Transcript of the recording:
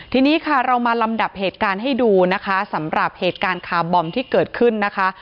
ทีนี้ค่ะเรามาลำดับเหตุการณ์ให้ดูนะคะสำหรับเหตุการณ์คาร์บอมที่เกิดขึ้นนะคะ